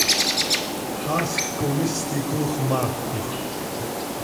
Xaasj com is quih coox maactoj.